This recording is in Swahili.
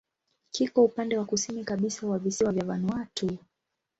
Kiko upande wa kusini kabisa wa visiwa vya Vanuatu.